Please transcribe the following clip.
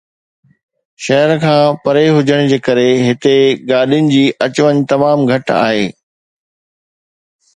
شهر کان پري هجڻ ڪري هتي گاڏين جي اچ وڃ تمام گهٽ آهي.